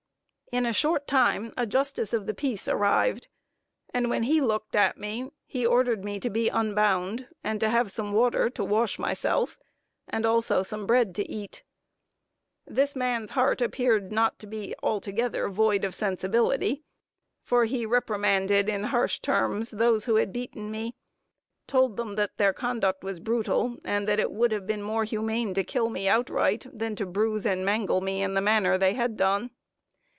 In a short time a justice of the peace arrived, and when he looked at me, ordered me to be unbound, and to have water to wash myself, and also some bread to eat. This man's heart appeared not to be altogether void of sensibility, for he reprimanded in harsh terms those who had beaten me; told them that their conduct was brutal, and that it would have been more humane to kill me outright, than to bruise and mangle me in the manner they had done.